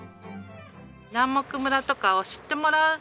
南牧村とかを知ってもらう。